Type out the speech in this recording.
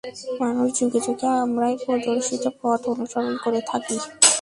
মানুষ যুগে যুগে আমারই প্রদর্শিত পথ অনুসরণ করে থাকে।